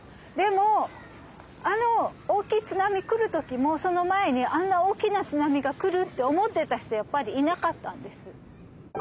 でもあの大きい津波来る時もその前にあんな大きな津波が来るって思ってた人やっぱりいなかったんです。